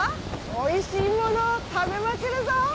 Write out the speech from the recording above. おいしいものを食べまくるぞ！